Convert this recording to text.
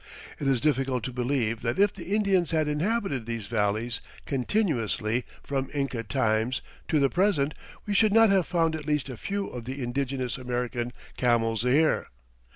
It is difficult to believe that if the Indians had inhabited these valleys continuously from Inca times to the present we should not have found at least a few of the indigenous American camels here.